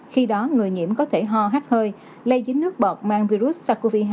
khi đó người nhiễm có thể ho hát hơi lây dính nước bọt mang virus sars cov hai